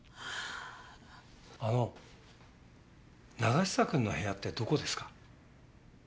あの永久くんの部屋ってどこですか？